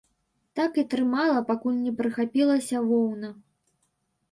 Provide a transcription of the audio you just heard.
Так і трымала, пакуль не прыхапілася воўна.